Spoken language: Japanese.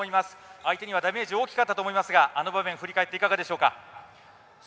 相手にはダメージ大きかったと思いますがあの場面振り返っていかがでしょうか。